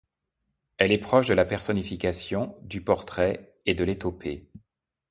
Elle est proche de la personnification, du portrait et de l'éthopée.